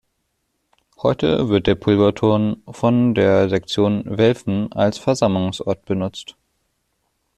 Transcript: Heute wird der Pulverturm von der Sektion Welfen als Versammlungsort benutzt.